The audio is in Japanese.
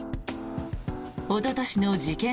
おととしの事件